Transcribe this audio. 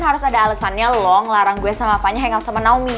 harus ada alesannya lo ngelarang gue sama fany hangout sama naomi